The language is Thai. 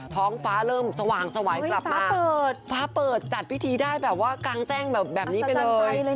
ท้องฟ้าเริ่มสว่างสวัยกลับมาเปิดฟ้าเปิดจัดพิธีได้แบบว่ากลางแจ้งแบบนี้ไปเลย